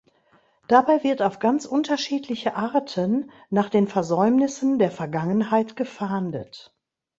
Dabei wird auf ganz unterschiedliche Arten nach den Versäumnissen der Vergangenheit gefahndet.